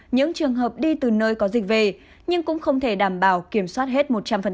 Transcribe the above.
những trường hợp đi từ nơi có dịch về nhưng cũng không thể đảm bảo kiểm soát hết một trăm linh